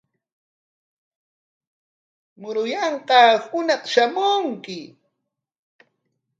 Muruyanqaa hunaq shamunki.